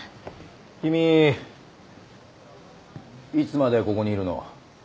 君いつまでここにいるの？